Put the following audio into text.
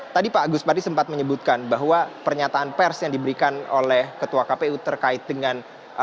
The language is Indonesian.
tadi pak agus padi sempat menyebutkan bahwa pernyataan pers yang diberikan oleh ketua kpu terkait dengan